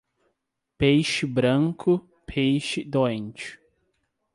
Peixe branco, peixe doente.